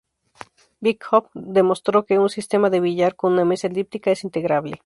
Birkhoff demostró que un sistema de billar con una mesa elíptica es integrable.